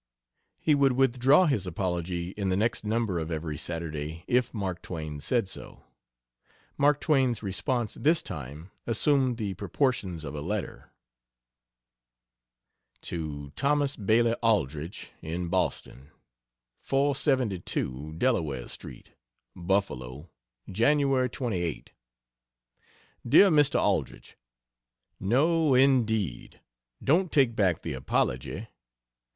He would withdraw his apology in the next number of Every Saturday, if Mark Twain said so. Mark Twain's response this time assumed the proportions of a letter. To Thomas Bailey Aldrich, in Boston: 472 DELAWARE ST., BUFFALO, Jan. 28. DEAR MR. ALDRICH, No indeed, don't take back the apology!